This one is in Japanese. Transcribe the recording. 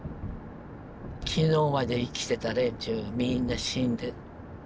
昨日まで生きてた連中がみんな死んで。